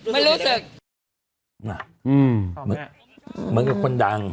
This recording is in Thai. มันรู้สึกผิดอะไรไม่สึกไม่รู้สึกอืมเหมือนกับคนดัง